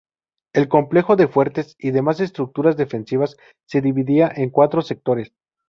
El complejo de fuertes y demás estructuras defensivas se dividían en cuatro sectores.